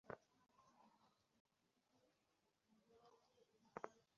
মনে হল, বুঝি উনি হাঙ্গরের বাচ্চা।